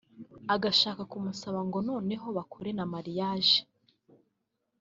agashaka kumusaba ngo noneho bakore na marriage